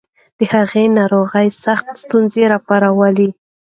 د هغې ناروغي د صحت ستونزې راوپارولې.